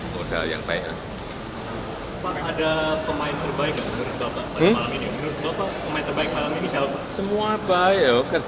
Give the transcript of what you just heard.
sudah masukkan pak